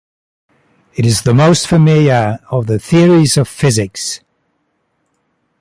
It is the most familiar of the theories of physics.